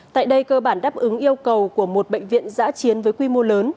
tại đây cơ bản đáp ứng yêu cầu của một bệnh viện giã chiến với quy mô lớn